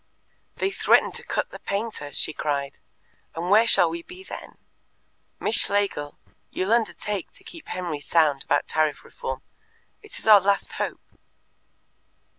"They threaten to cut the painter," she cried, "and where shall we be then? Miss Schlegel, you'll undertake to keep Henry sound about Tariff Reform? It is our last hope."